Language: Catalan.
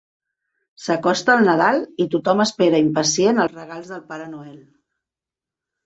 S'acosta Nadal i tothom espera impacient els regals del Pare Noel.